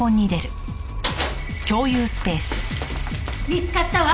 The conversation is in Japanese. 見つかったわ！